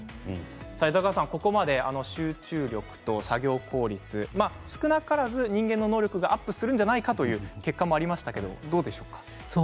枝川さん、ここまで集中力と作業効率少なからず認知能力がアップするんじゃないかという結果もありましたけれどもどうでしょうか？